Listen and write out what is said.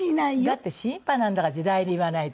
だって新派なんだから時代で言わないと。